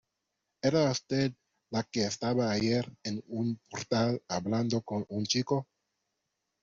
¿ era usted la que estaba ayer en un portal hablando con un chico?